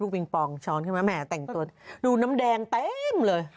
ปิงปองช้อนขึ้นมาแหมแต่งตัวดูน้ำแดงเต็มเลย